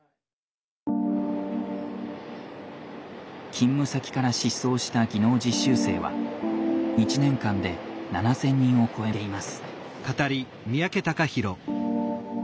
勤務先から失踪した技能実習生は一年間で７，０００人を超えています。